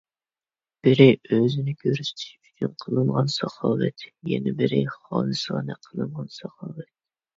بىرى، ئۆزىنى كۆرسىتىش ئۈچۈن قىلىنغان ساخاۋەت. يەنە بىرى، خالىسانە قىلىنغان ساخاۋەت.